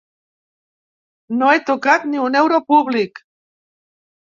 No he tocat ni un euro públic